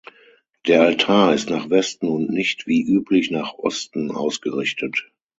Der Altar ist nach Westen und nicht wie üblich nach Osten ausgerichtet.